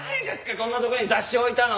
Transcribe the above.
こんなとこに雑誌置いたの！